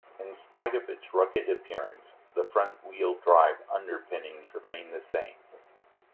In spite of its rugged appearance, the front-wheel drive underpinnings remained the same.